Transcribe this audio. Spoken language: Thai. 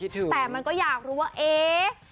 แต่มันก็อยากรู้ว่าเอ๊ะ